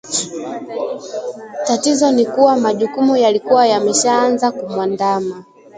Tatizo ni kuwa majukumu yalikuwa yameshaanza kumwandama